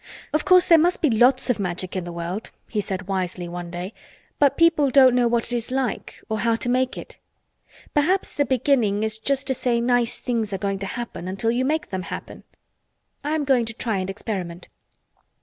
"Of course there must be lots of Magic in the world," he said wisely one day, "but people don't know what it is like or how to make it. Perhaps the beginning is just to say nice things are going to happen until you make them happen. I am going to try and experiment."